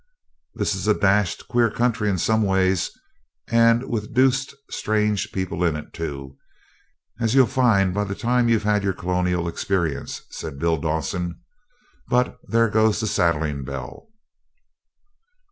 'This is a dashed queer country in some ways, and with deuced strange people in it, too, as you'll find by the time you've had your colonial experience,' says Bill Dawson; 'but there goes the saddling bell!'